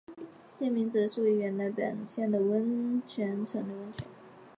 县名指的是位于原来属于本县的温泉城的温泉。